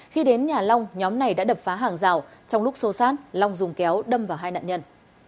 khi đến nhà long nhóm này đã đập phá hàng rào trong lúc xô sát long dùng kéo đâm vào hai nạn nhân